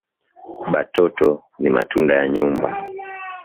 Ba toto ni matunda ya nyumba